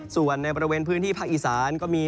ส่วนในบริเวณพื้นที่ภาคอีสานก็มี